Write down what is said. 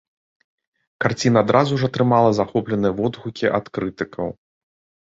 Карціна адразу ж атрымала захопленыя водгукі ад крытыкаў.